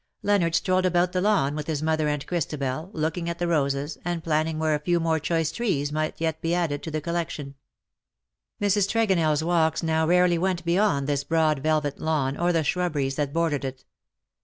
Leonard strolled about the lawn with his mother and Christabel, looking at the roses,, and planning where a few more choice trees might yet be added to the collection. Mrs. TregonelFs walks now rarely went beyond this broad velvet lawn, or the shrubberies that bordered it.